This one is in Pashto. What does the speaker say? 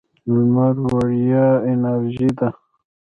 لمر وړیا انرژي ده.